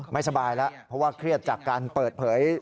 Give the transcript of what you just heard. ไม่สบายแล้วเพราะว่าเครียดจากการเปิดเผย